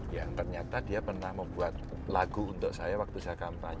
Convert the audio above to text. ya ternyata dia pernah membuat lagu untuk saya waktu saya kampanye